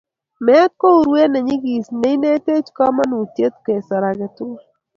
Meet ko urweet ne nyigis ne ineteech komonutietab kasar age tugul.